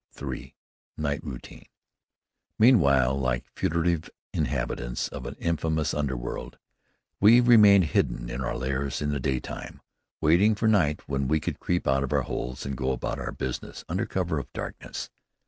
III. NIGHT ROUTINE Meanwhile, like furtive inhabitants of an infamous underworld, we remained hidden in our lairs in the daytime, waiting for night when we could creep out of our holes and go about our business under cover of darkness.